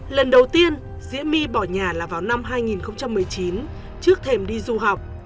lần đầu tiên diễm my bỏ nhà là vào năm hai nghìn một mươi chín trước thềm đi du học